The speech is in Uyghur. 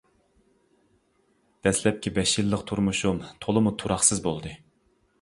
دەسلەپكى بەش يىللىق تۇرمۇشۇم تولىمۇ تۇراقسىز بولدى.